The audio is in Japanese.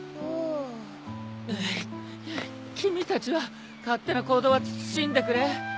うう君たちは勝手な行動は慎んでくれ。